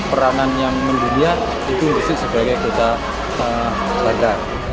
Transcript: peranan yang mendunia itu gersik sebagai kota bandar